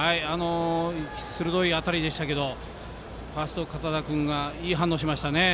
鋭い当たりでしたけどファースト堅田君がいい動きをしましたね。